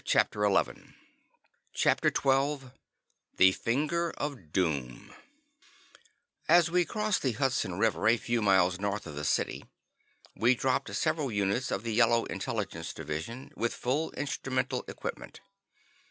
CHAPTER XII The Finger of Doom As we crossed the Hudson River, a few miles north of the city, we dropped several units of the Yellow Intelligence Division, with full instrumental equipment.